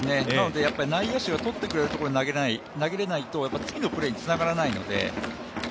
内野手がとってくれるところに投げれないと次のプレーにつながらないので。